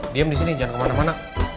diam di sini jangan ke mana mana